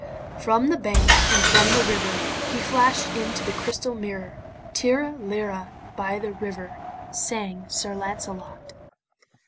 From the bank and from the river He flash'd into the crystal mirror, "Tirra lirra," by the river Sang Sir Lancelot.